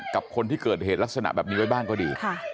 กับคนที่เกิดเหตุลักษณะแบบนี้ไว้บ้างก็ดี